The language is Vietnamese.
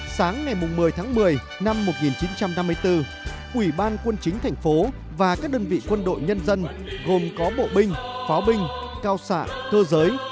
sáng ngày một mươi tháng một mươi năm một nghìn chín trăm năm mươi bốn ủy ban quân chính thành phố và các đơn vị quân đội nhân dân gồm có bộ binh pháo binh cao xạ cơ giới